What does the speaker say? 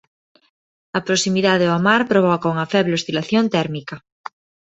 A proximidade ao mar provoca unha feble oscilación térmica.